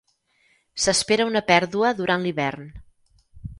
S'espera una pèrdua durant l'hivern.